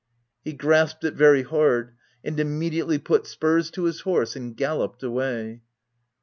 He grasped it very hard, and immediately put spurs to his horse and gallopped away.